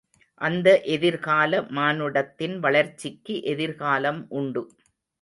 அந்த எதிர்கால மானுடத்தின் வளர்ச்சிக்கு எதிர்காலம் உண்டு.